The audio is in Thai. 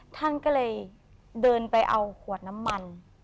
ท่านก็เลยเดินไปเอาขวดน้ำมัน